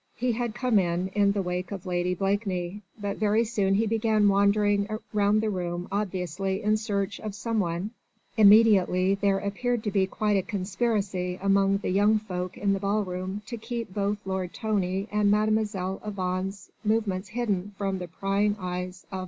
He had come in, in the wake of Lady Blakeney, but very soon he began wandering round the room obviously in search of some one. Immediately there appeared to be quite a conspiracy among the young folk in the ball room to keep both Lord Tony's and Mlle. Yvonne's movements hidden from the prying eyes of M.